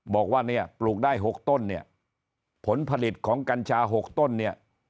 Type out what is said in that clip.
บอกว่าเนี่ยปลูกได้๖ต้นเนี่ยผลผลิตของกัญชา๖ต้นเนี่ย